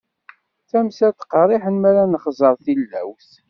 D tamsalt qerriḥen mi ara nexẓer tilawt.